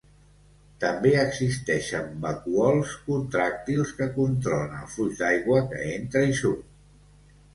També existeixen vacúols contràctils que controlen el flux d'aigua que entra i surt.